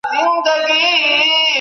ادبي څېړني د ادب په هکله لویه هڅه ده.